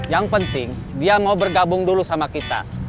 yang penting dia mau bergabung dulu sama kita